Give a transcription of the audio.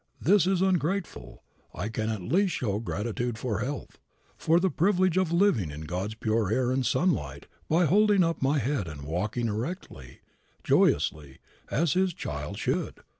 This is ungrateful. I can at least show gratitude for health, for the privilege of living in God's pure air and sunlight by holding up my head and walking erectly, joyously, as His child should.